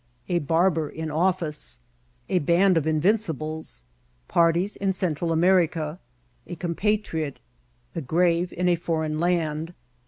— A Barber in Office.— A Band of " InTinci bles.— Parties in Central America.— A Compatriot— A Grave in a Foreign Land.